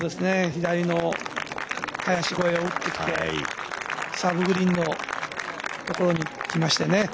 左の林越えで、サブグリーンのところにきましてね。